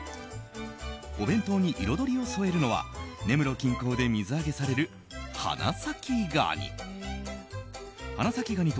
お弁当に色どりを添えるのは根室近郊で水揚げされる花咲ガニ。